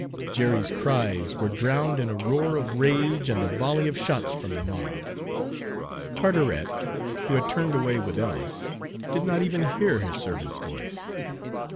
Jerry's cries were drowned in a roar of rage and a volley of shots from the mob. Carteret, who had turned away with Ellis, did not even hear his servant's voice.